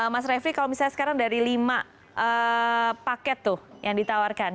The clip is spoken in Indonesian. mas refli kalau misalnya sekarang dari lima paket tuh yang ditawarkan